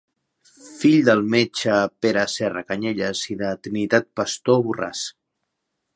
Fill del metge Pere Serra Canyelles i de Trinitat Pastor Borràs.